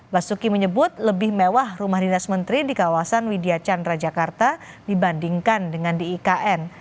basuki menyebut lebih mewah rumah dinas menteri di kawasan widya chandra jakarta dibandingkan dengan di ikn